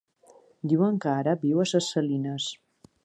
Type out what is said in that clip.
Diuen que ara viu a Ses Salines.